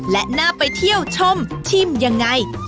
และน่าไปเที่ยวชมชิมยังไง